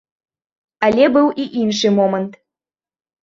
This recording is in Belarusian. Але быў і іншы момант.